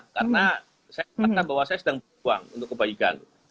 karena saya ingin bahwa saya sedang berbuang untuk kebaikan